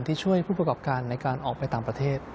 ที่ช่วยผู้ประกอบการในการออกไปต่างประเทศ